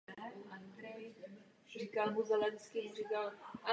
Sportovní týmy školy se nazývají "Buffalo Bulls".